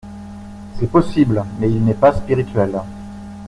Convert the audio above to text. C’est possible, mais il n’est pas spirituel.